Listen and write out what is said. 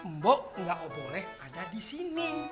mbak gak boleh ada disini